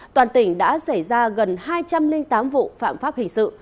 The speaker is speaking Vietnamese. toàn tỉnh đã xảy ra gần hai trăm linh tám vụ phạm pháp hình sự